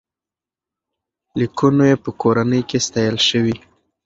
لیکونو یې په کورنۍ کې ستایل شول.